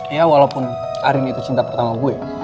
ya walaupun arin itu cinta pertama gue